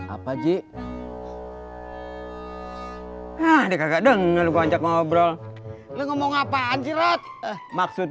apa ji hai nah dikagak dengernya ngobrol ngomong apaan jirot maksud